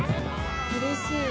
うれしい。